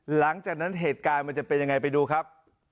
หลังจากนั้นเหตุการณ์มันจะเป็นยังไงไปดูครับ